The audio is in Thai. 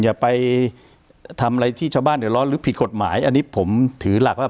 อย่าไปทำอะไรที่ชาวบ้านเดือดร้อนหรือผิดกฎหมายอันนี้ผมถือหลักว่า